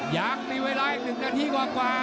อยากมีเวลาอีก๑นาทีกว่ากว่า